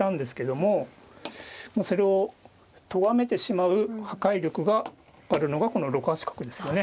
もうそれをとがめてしまう破壊力があるのがこの６八角ですよね。